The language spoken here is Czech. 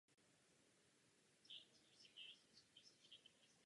Z finančních důvodů musel v deseti letech odejít ze školy a začít pracovat.